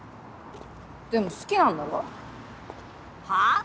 でも好きなんだろ？はあ！？